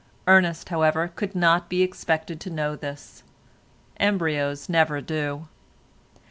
Ernest, however, could not be expected to know this; embryos never do.